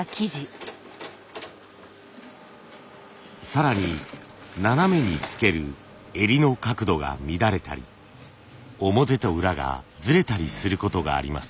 更に斜めにつける襟の角度が乱れたり表と裏がずれたりすることがあります。